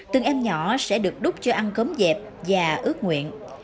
từng em nhỏ sẽ được đúc cho ăn cơm dẹp và ước nguyện